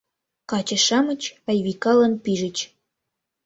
Каче-шамыч Айвикалан пижыч.